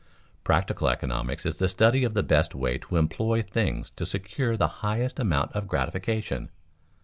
Practical economics is the study of the best way to employ things to secure the highest amount of gratification.